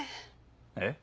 えっ？